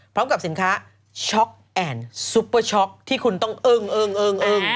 พร้อมกับสินค้าช็อกแอนด์ซุปเปอร์ช็อกที่คุณต้องอึ้งอึ้ง